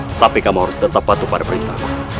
tetapi kamu harus tetap patuh pada perintah